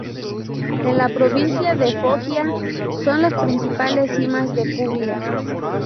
En la provincia de Foggia son las principales cimas de Puglia.